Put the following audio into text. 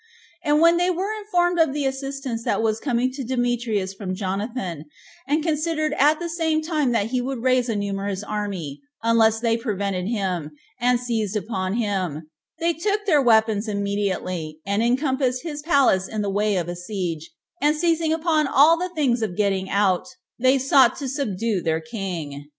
And when they were informed of the assistance that was coming to Demetrius from Jonathan, and considered at the same time that he would raise a numerous army, unless they prevented him, and seized upon him, they took their weapons immediately, and encompassed his palace in the way of a siege, and seizing upon all the ways of getting out, they sought to subdue their king.